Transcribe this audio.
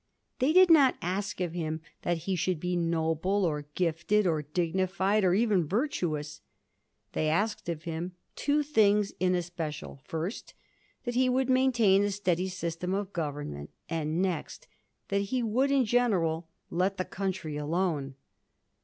They did not ask of him that he should be noble, or gifted, or dignified, or even virtuous. They asked of him two things in especial : first, that he would maintain a steady system of government ; and next, that he would in general let the country alone.